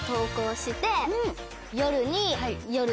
夜に。